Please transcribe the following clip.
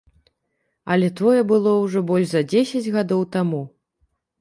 Але тое было ужо больш за дзесяць гадоў таму!